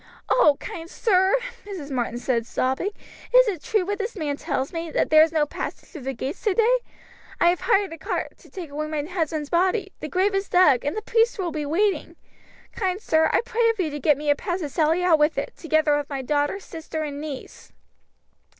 "Oh, kind sir!" Mrs. Martin said, sobbing, "is it true what this man tells me, that there is no passage through the gates today? I have hired a cart to take away my husband's body; the grave is dug, and the priest will be waiting. Kind sir, I pray of you to get me a pass to sally out with it, together with my daughter, sister, and niece."